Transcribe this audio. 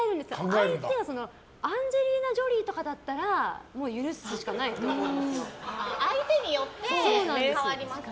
相手がアンジェリーナ・ジョリーとかだったら相手によって、変わりますね。